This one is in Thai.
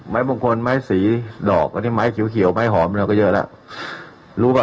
ไม้มงคลไม้สีดอกอันนี้ไม้เขียวไม้หอมเราก็เยอะแล้วรู้ป่ะ